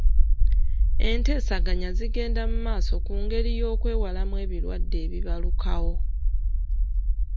Enteesaganya zigenda mu maaso ku ngeri y'okwewalamu ebirwadde ebibalukawo.